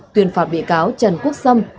tuyên phạt bị cáo trần quốc xâm